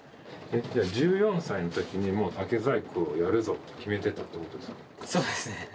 えっじゃあ１４歳の時にもう竹細工をやるぞって決めてたってことですか？